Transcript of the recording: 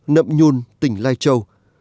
nậm nhôn tỉnh lai châu